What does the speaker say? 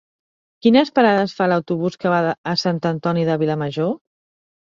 Quines parades fa l'autobús que va a Sant Antoni de Vilamajor?